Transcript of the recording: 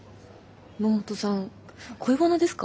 野本さん恋バナですか？